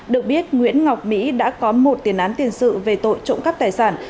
được biết nguyễn ngọc mỹ đã có một tiền án tiền sự về tội trộm cắp tài sản